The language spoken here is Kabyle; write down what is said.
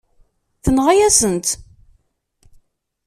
Tenɣa-yasen-tt.